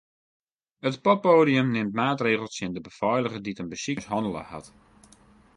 It poppoadium nimt maatregels tsjin de befeiliger dy't in besiker mishannele hat.